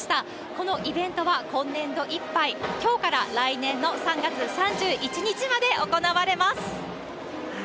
このイベントは今年度いっぱい、きょうから来年の３月３１日まで行われます。